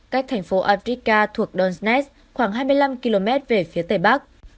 cách thành phố afrika thuộc donetsk khoảng hai mươi năm km về phía tây bắc